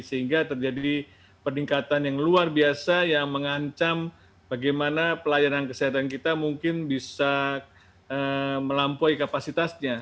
sehingga terjadi peningkatan yang luar biasa yang mengancam bagaimana pelayanan kesehatan kita mungkin bisa melampaui kapasitasnya